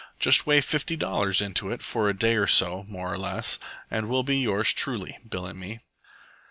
"Just weigh fifty dollars into it for a day or so more or less, and we'll be yours truly, Bill an' me."